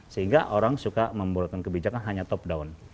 sehingga orang suka membuatkan kebijakan hanya top down